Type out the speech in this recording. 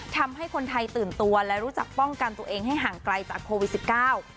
ทำให้คนไทยตื่นตัวและรู้จักป้องกันตัวเองให้ห่างไกลจากโควิดสิบเก้า